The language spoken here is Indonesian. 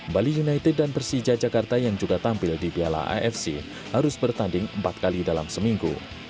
bali united dan persija jakarta yang juga tampil di piala afc harus bertanding empat kali dalam seminggu